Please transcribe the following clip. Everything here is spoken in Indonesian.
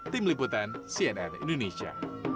tim liputan cnn indonesia